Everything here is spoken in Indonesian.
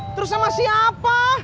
terus sama siapa